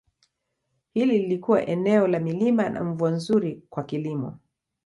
Hili lilikuwa eneo la milima na mvua nzuri kwa kilimo.